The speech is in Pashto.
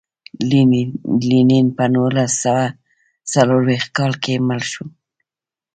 لینین په نولس سوه څلور ویشت کال کې مړ شو.